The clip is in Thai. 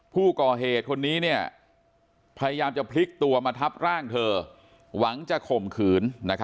ผู้ก่อเหตุคนนี้พยายามจะพลิกตัวมาทับร่างเธอหวังจะข่มขืน